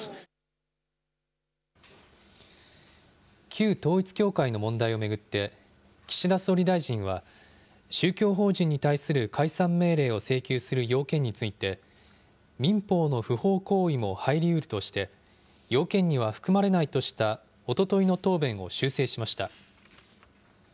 旧統一教会の問題を巡って、岸田総理大臣は、宗教法人に対する解散命令を請求する要件について、民法の不法行為も入りうるとして、要件には含まれないとしたおとといの答弁を修正しました。